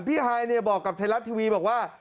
พี่หายเนี่ยบอกกับไทยรัฐทีวีบอกว่า